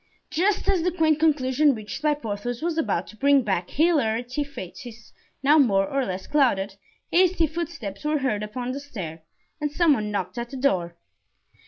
Just as the quaint conclusion reached by Porthos was about to bring back hilarity to faces now more or less clouded, hasty footsteps were heard upon the stair and some one knocked at the door.